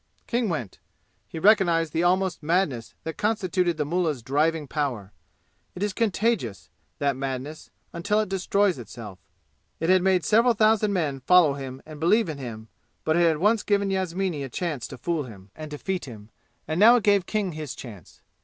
King went. He recognized the almost madness that constituted the mullah's driving power. It is contagious, that madness, until it destroys itself. It had made several thousand men follow him and believe in him, but it had once given Yasmini a chance to fool him and defeat him, and now it gave King his chance.